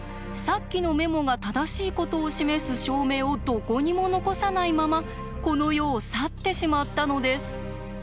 さっきのメモが正しいことを示す証明をどこにも残さないままこの世を去ってしまったのです。